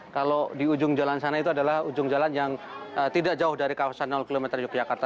kalau di ujung jalan sana itu adalah ujung jalan yang tidak jauh dari kawasan km yogyakarta